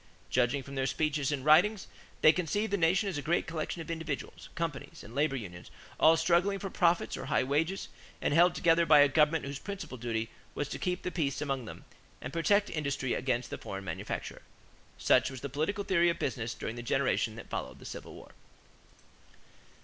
Judging from their speeches and writings, they conceived the nation as a great collection of individuals, companies, and labor unions all struggling for profits or high wages and held together by a government whose principal duty was to keep the peace among them and protect industry against the foreign manufacturer. Such was the political theory of business during the generation that followed the Civil War.